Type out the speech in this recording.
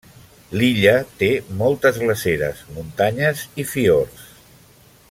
L'illa té moltes glaceres, muntanyes i fiords.